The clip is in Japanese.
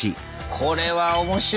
これは面白いね。